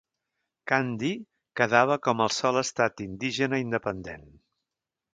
Kandy quedava com el sol estat indígena independent.